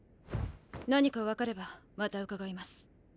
何かわかればまた伺います。